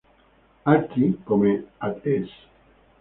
Altri, come ad es.